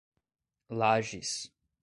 Lajes